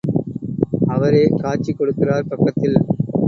அவரே காட்சி கொடுக்கிறார் பக்கத்தில்.